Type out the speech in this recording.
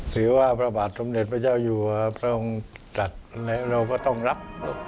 ถือว่าพระบาทสมเด็จพระเจ้าอยู่พระองค์จัดและเราก็ต้องรับ